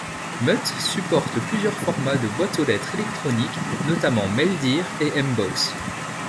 Mutt supporte plusieurs formats de boîtes aux lettres électroniques, notamment Maildir et Mbox.